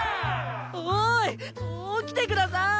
おい起きて下さい！